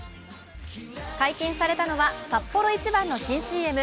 解禁されたのはサッポロ一番の新ＣＭ。